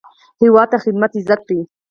هیواد ته خدمت عزت دی